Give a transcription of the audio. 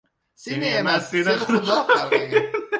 — Seni men emas — seni Xudo qarg‘agan.